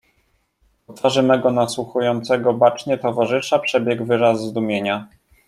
"Po twarzy mego, nasłuchującego bacznie, towarzysza, przebiegł wyraz zdumienia."